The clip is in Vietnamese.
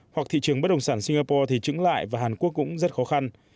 hoặc thị trường bất đồng sản singapore thì trứng lại và hàn quốc cũng rất khó khăn